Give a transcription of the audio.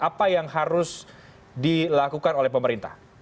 apa yang harus dilakukan oleh pemerintah